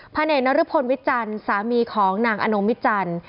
เนกนรพลวิจันทร์สามีของนางอนงมิจันทร์